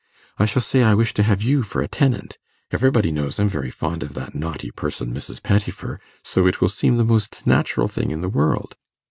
I shall say I wish to have you for a tenant. Everybody knows I'm very fond of that naughty person, Mrs. Pettifer; so it will seem the most natural thing in the world.